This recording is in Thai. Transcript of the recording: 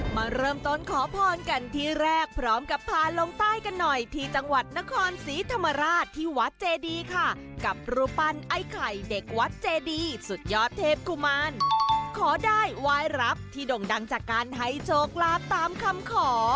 มาเริ่มต้นขอพรกันที่แรกพร้อมกับพาลงใต้กันหน่อยที่จังหวัดนครศรีธรรมราชที่วัดเจดีค่ะกับรูปปั้นไอ้ไข่เด็กวัดเจดีสุดยอดเทพกุมารขอได้วายรับที่ด่งดังจากการให้โชคลาภตามคำขอ